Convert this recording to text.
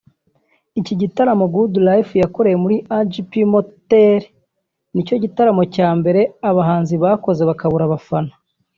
Iki gitaramo Goodlyfe yakoreye muri Agip Motel ni cyo gitaramo cya mbere aba bahanzi bakoze bakabura abafana